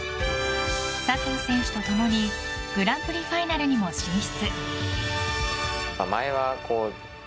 佐藤選手とともにグランプリファイナルにも進出。